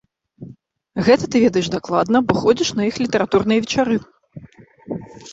Гэта ты ведаеш дакладна, бо ходзіш на іх літаратурныя вечары.